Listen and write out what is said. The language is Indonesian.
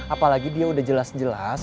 apalagi dia udah jelas jelas